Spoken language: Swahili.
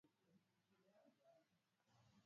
ilikuwa meli ya kubwa sana ya kifahari duniani